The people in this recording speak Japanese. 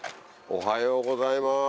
おはようございます。